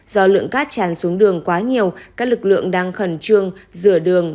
do lượng cát tràn xuống đường quá nhiều các lực lượng đang khẩn trương rửa đường